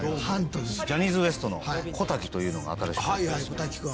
ジャニーズＷＥＳＴの小瀧というのが新しく。